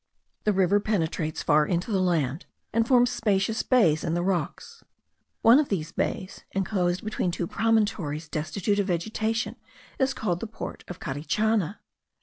The river penetrates far into the land, and forms spacious bays in the rocks. One of these bays, inclosed between two promontories destitute of vegetation, is called the Port of Carichana.